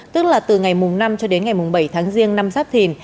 tức là từ ngày mùng năm cho đến ngày mùng bảy tháng riêng năm giáp thìn